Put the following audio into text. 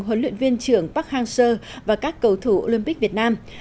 huấn luyện viên trưởng park hang seo và các cầu thủ olympic việt nam